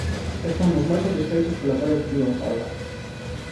Estamos moi satisfeitos polo apoio que tivo a folga.